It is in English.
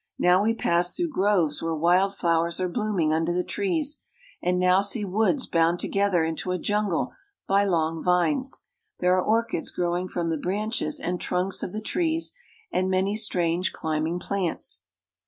Now we pass through groves where wild flowers are blooming under the trees, and now see woods bound together into a jungle by long vines ; there are orchids growing from the branches and trunks of the trees, and many strange climbing plants.